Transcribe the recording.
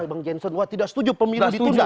bang janson wah tidak setuju pemilu ditunda